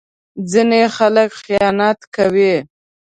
ځینې خلک خیانت کوي.